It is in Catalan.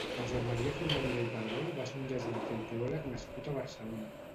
Josep Maria Fondevila i Padrol va ser un jesuïta i teòleg nascut a Barcelona.